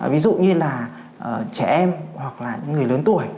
ví dụ như là trẻ em hoặc là những người lớn tuổi